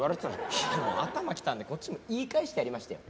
いやもう頭きたんでこっちも言い返してやりましたよ。